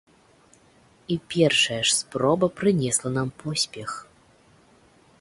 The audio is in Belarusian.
І першая ж спроба прынесла нам поспех!